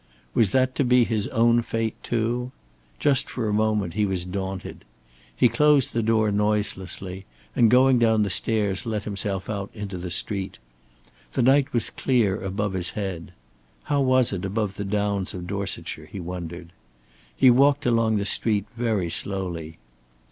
Was that to be his own fate too? Just for a moment he was daunted. He closed the door noiselessly, and going down the stairs let himself out into the street. The night was clear above his head. How was it above the Downs of Dorsetshire, he wondered. He walked along the street very slowly.